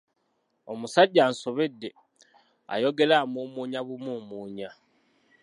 Omusajja ansobedde, ayogera amuumuunya bumuumuunya.